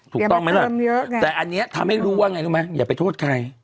ถูกต้องไหมล่ะแต่อันนี้ทำให้รู้ว่าไงรู้ไหมอย่าไปโทษใคร